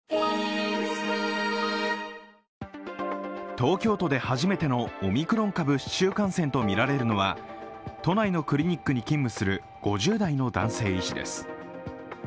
東京都で初めてのオミクロン株市中感染とみられるのは、都内のクリニックに勤務する５０代の男性医師です。